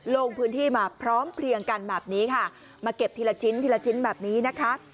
ลงพื้นที่มาพร้อมเพลียงกันแบบนี้ค่ะมาเก็บทีละชิ้นทีละชิ้นแบบนี้นะคะ